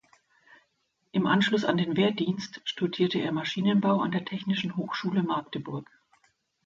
Im Anschluss an den Wehrdienst studierte er Maschinenbau an der Technischen Hochschule Magdeburg.